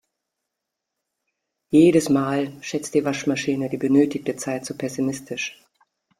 Jedes Mal schätzt die Waschmaschine die benötigte Zeit zu pessimistisch.